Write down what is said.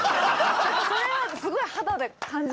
それはすごい肌で感じました。